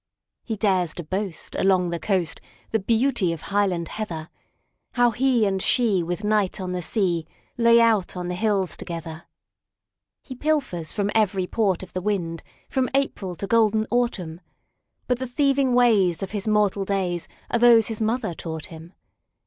He dares to boast, along the coast, The beauty of Highland Heather,—How he and she, with night on the sea, Lay out on the hills together. He pilfers from every port of the wind, From April to golden autumn; But the thieving ways of his mortal daysAre those his mother taught him.